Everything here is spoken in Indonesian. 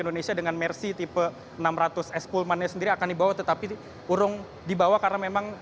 indonesia dengan mercy tipe enam ratus s pullmannya sendiri akan dibawa tetapi urung dibawa karena memang